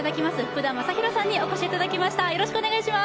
福田正博さんにお越しいただきました。